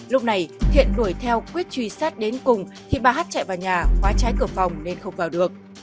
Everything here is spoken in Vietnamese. lúc này thiện đuổi theo quyết truy sát đến cùng thì bà hát chạy vào nhà khóa trái cửa phòng nên không vào được